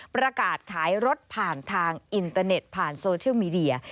ประกาศขายรถผ่านทางอินเตอร์เน็ตผ่านโซเชียลมีเดีย